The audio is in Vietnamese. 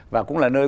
và cũng là nơi